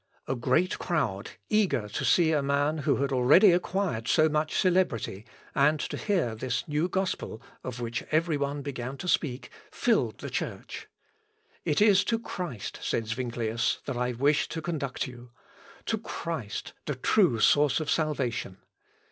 A great crowd, eager to see a man who had already acquired so much celebrity, and to hear this new gospel, of which every one began to speak, filled the church. "It is to Christ," said Zuinglius, "that I wish to conduct you; to Christ, the true source of salvation.